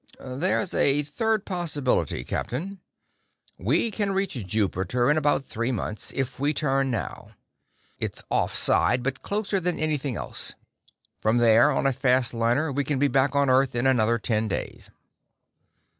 "There's a third possibility, Captain. We can reach Jupiter in about three months, if we turn now. It's offside, but closer than anything else. From there, on a fast liner, we can be back on Earth in another ten days."